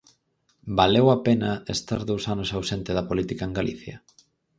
¿Valeu a pena estar dous anos ausente da política en Galicia?